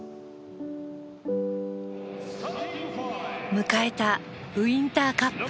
迎えたウインターカップ。